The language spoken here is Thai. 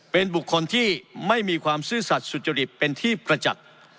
เป็นบุคคลที่ไม่มีความซื่อสัตว์สุจริตเป็นที่ประจักษ์